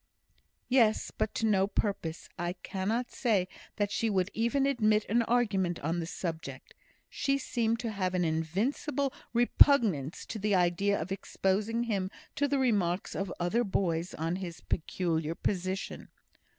"Yes! but to no purpose. I cannot say that she would even admit an argument on the subject. She seemed to have an invincible repugnance to the idea of exposing him to the remarks of other boys on his peculiar position."